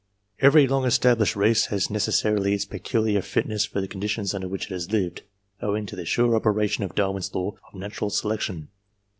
Every long established race has necessarily its peculiar fitness for the conditions under which it has lived, owing to the sure operation of Darwin's law of natural selection.